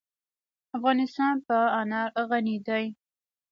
افغانستان په انار غني دی.